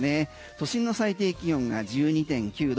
都市の最低気温が１２．９度。